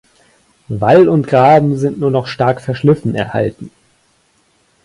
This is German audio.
Wall und Graben sind nur noch stark verschliffen erhalten.